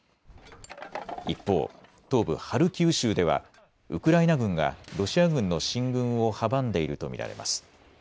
一方、東部ハルキウ州ではウクライナ軍がロシア軍の進軍を阻んでいると見られます。